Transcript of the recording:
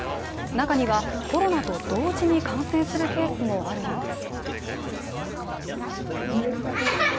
中にはコロナと同時に感染するケースもあるようです。